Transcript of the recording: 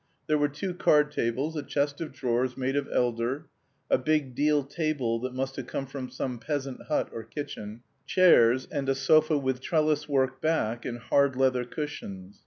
There were two card tables, a chest of drawers made of elder, a big deal table that must have come from some peasant hut or kitchen, chairs and a sofa with trellis work back and hard leather cushions.